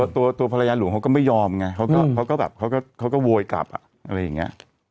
ตัวภรรยาหลวงเขาก็ไม่ยอมไงเขาก็แบบเขาก็โวยกลับอะไรอย่างนี้